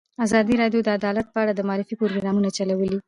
ازادي راډیو د عدالت په اړه د معارفې پروګرامونه چلولي.